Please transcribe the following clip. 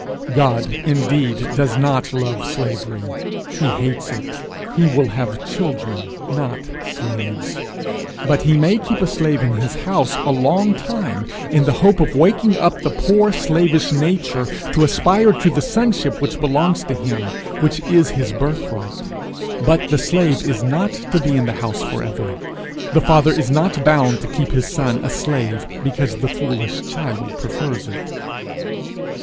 God indeed does not love slavery; he hates it; he will have children, not slaves; but he may keep a slave in his house a long time in the hope of waking up the poor slavish nature to aspire to the sonship which belongs to him, which is his birthright. But the slave is not to be in the house for ever. The father is not bound to keep his son a slave because the foolish child prefers it.